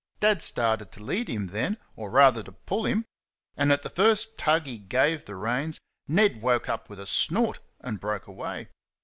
Dad started to lead him then, or rather to PULL him, and at the first tug he have the reins Ned woke with a snort and broke away.